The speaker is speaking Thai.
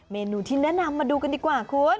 เมนูที่แนะนำมาดูกันดีกว่าคุณ